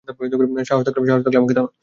সাহস থাকলে আমাকে থামা।